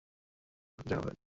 তার স্ত্রীর নাম জাহানারা বেগম।